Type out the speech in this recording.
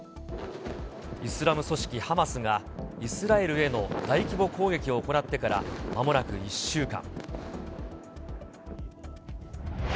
イスラム組織ハマスがイスラエルへの大規模攻撃を行ってからまもなく１週間。